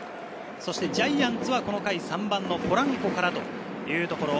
ジャイアンツはこの回、３番のポランコからというところ。